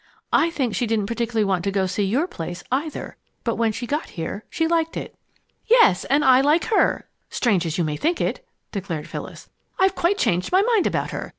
I think she didn't particularly want to go to see your place, either, but when she got here she liked it." "Yes, and I like her strange as you may think it!" declared Phyllis. "I've quite changed my mind about her.